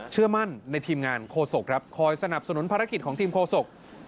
เชื่อมั่นในทีมงานโฆษกครับคอยสนับสนุนภารกิจของทีมโฆษก